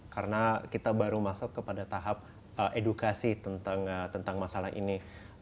karena kita baru masuk kepada tahap edukasi tentang masalah ini